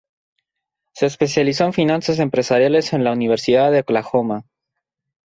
Se especializó en finanzas empresariales en la Universidad de Oklahoma.